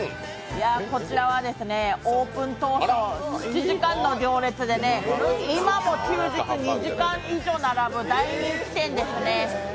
こちらはオープン当初、２時間の行列で今も休日２時間以上並ぶ大人気店ですね。